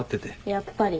やっぱり。